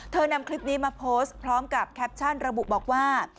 นำคลิปนี้มาโพสต์พร้อมกับแคปชั่นระบุบอกว่า